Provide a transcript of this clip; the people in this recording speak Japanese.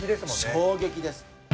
衝撃です